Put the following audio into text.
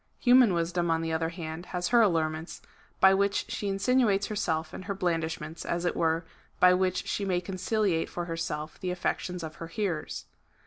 Human wisdom, on the other hand, has her allurements, by which she insinuates herself^ and her blandishments, as it were, by which she may conciliate for herself the affections of her hearers.